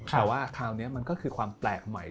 แต่ว่าคราวนี้มันก็คือความแปลกใหม่